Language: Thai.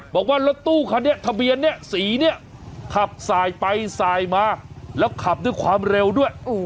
บอกว่ารถตู้คันนี้ทะเบียนเนี่ยสีเนี่ยขับสายไปสายมาแล้วขับด้วยความเร็วด้วย